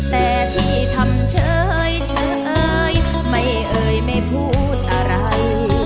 แต่ที่ทำเฉยไม่เอ่ยไม่พูดอะไร